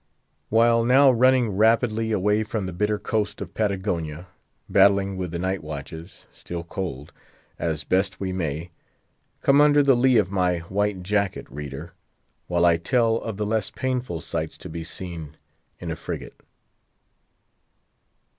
While now running rapidly away from the bitter coast of Patagonia, battling with the night watches—still cold—as best we may; come under the lee of my white jacket, reader, while I tell of the less painful sights to be seen in a frigate.